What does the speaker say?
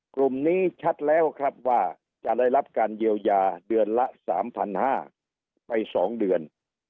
กลุ่มนี้ชัดแล้วครับว่าจะได้รับการเยียวยาเดือนละ๓๕๐๐ไป๒เดือน